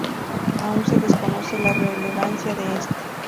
Aún se desconoce la relevancia de este.